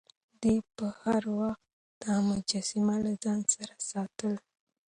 ده به هر وخت دا مجسمه له ځان سره ساتله.